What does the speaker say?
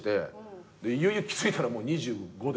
いよいよ気付いたら２５で。